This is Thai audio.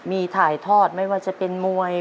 มีถ่ายทอดไม่ว่าจะเป็นมวย